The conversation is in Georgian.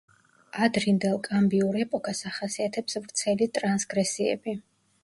ადრინდელ კამბრიულ ეპოქას ახასიათებს ვრცელი ტრანსგრესიები.